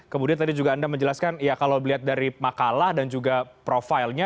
kemudian tadi juga anda menjelaskan ya kalau dilihat dari makalah dan juga profilnya